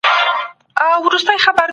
ښوونځي ماشومان د خپل شخصیت جوړولو ته هڅوي.